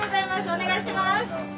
お願いします。